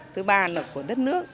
thứ ba là của đất nước